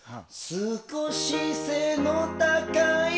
「少し背の高い」。